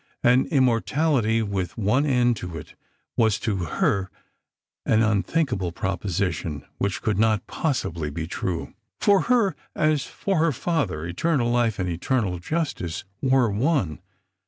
An immortality with one end to it was to her an unthinkable proposition which could not possibly be true. For her, as for her father, Eternal Life and Eternal Justice were one.